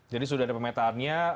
jadi sudah ada pemetaannya